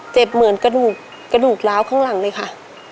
เจ็บเหมือนกระดูกล้าวข้างหลังเลยค่ะ